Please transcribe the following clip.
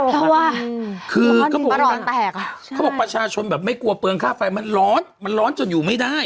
เพราะว่าคือเขาบอกว่าประชาชนแบบไม่กลัวเปลืองค่าไฟมันร้อนมันร้อนจนอยู่ไม่ได้